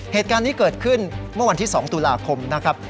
เหตุการณ์นี้เกิดขึ้นเมื่อวันที่๒ตุลาคมนะครับ